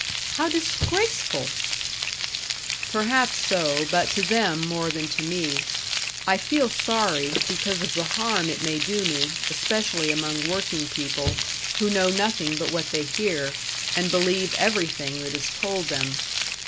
"How disgraceful!" "Perhaps so but to them more than to me. I feel sorry, because of the harm it may do me especially among working people, who know nothing but what they hear, and believe everything that is told them.